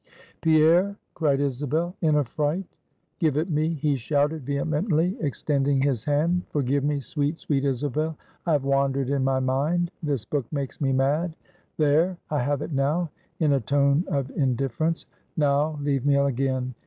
"Pierre!" cried Isabel, in affright. "Give it me!" he shouted, vehemently, extending his hand. "Forgive me, sweet, sweet Isabel, I have wandered in my mind; this book makes me mad. There; I have it now" in a tone of indifference "now, leave me again.